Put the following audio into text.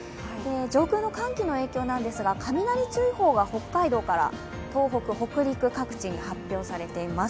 上空の寒気の影響ですが、雷注意報が北海道から東北、北陸各地に発表されています。